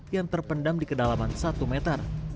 yang terpendam di kedalaman satu meter